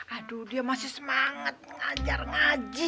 aduh dia masih semangat ngajar ngaji